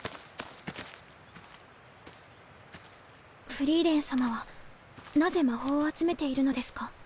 フリーレン様はなぜ魔法を集めているのですか？